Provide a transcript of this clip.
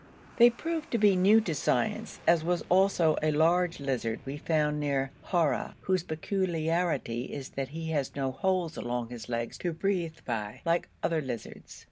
They proved to be new to science, as was also a large lizard we had found near Haura, whose peculiarity is that he has no holes along his legs to breathe by, like other lizards.